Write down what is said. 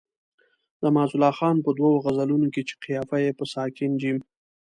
د معزالله خان په دوو غزلونو کې چې قافیه یې په ساکن جیم.